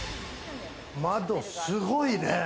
窓すごいね。